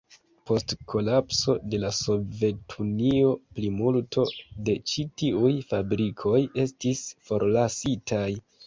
Post kolapso de la Sovetunio plimulto de ĉi tiuj fabrikoj estis forlasitaj.